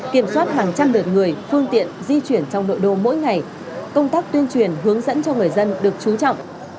kiểm soát hàng trăm lượt người phương tiện di chuyển trong nội đô mỗi ngày công tác tuyên truyền hướng dẫn cho người dân được trú trọng